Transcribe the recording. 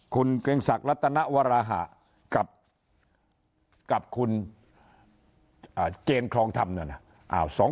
คุณเกรงศักดิ์รัตนวราหะกับคุณเจนครองธรรมเนี่ยนะ